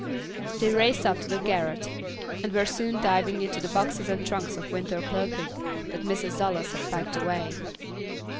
They raced up to the garret, and were soon diving into the boxes and trunks of winter clothing that Mrs. Dallas had packed away.